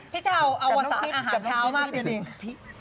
พี่เช้าเอาวัสาห์อาหารเช้ามาก